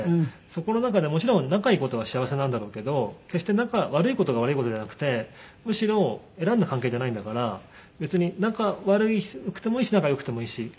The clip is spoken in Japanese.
そこの中でもちろん仲いい事は幸せなんだろうけど決して仲悪い事が悪い事じゃなくてむしろ選んだ関係じゃないんだから別に仲悪くてもいいし仲良くてもいいし。